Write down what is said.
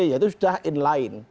yaitu sudah in line